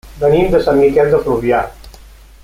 Venim de Sant Miquel de Fluvià.